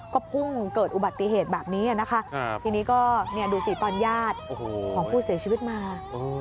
ก็พุ่งเกิดอุบัติเหตุแบบนี้นะคะทีนี้ก็ดูสิตอนญาติของผู้เสียชีวิตมา